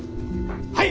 はい！